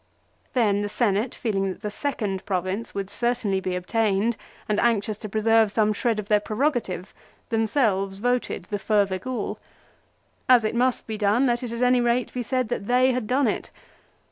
Then the Senate, feeling that the second province would certainly be obtained and anxious to preserve some shred of their prerogative, themselves voted the Further Gaul. As it must be done let it at any rate be said that they had done it.